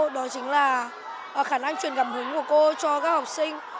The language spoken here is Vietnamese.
đó chính là khả năng truyền cảm hứng của cô cho các học sinh